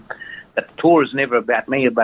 perjalanan itu tidak pernah tentang saya